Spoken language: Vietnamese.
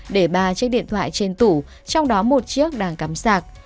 để ba chiếc điện thoại trên tủ trong đó một chiếc đang cắm sạc